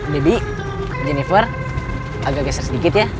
baby jennifer agak geser sedikit ya